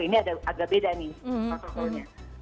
ini agak beda nih protokolnya